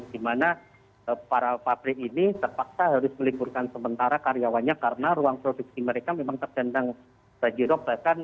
di mana para pabrik ini terpaksa harus meliburkan sementara karyawannya karena ruang produksi mereka memang tertendang banjirop